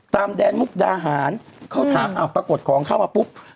แดนมุกดาหารเขาถามปรากฏของเข้ามาปุ๊บ